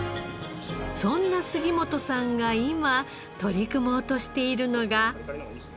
そんな杉本さんが今取り組もうとしているのが。